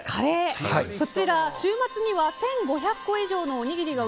こちら、週末には１５００個以上のおにぎりが